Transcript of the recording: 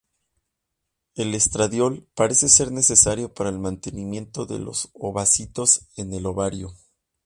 El estradiol parece ser necesario para el mantenimiento de los ovocitos en el ovario.